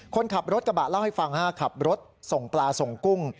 คนขับรถกระบะเล่าให้ฟังขับรถส่งปลาส่งกุ้ง